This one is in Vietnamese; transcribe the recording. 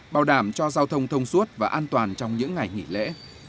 bảo đảm cho giao thông thông suốt và an toàn trong những ngày nghỉ lễ